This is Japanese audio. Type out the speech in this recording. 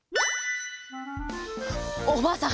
おばあさん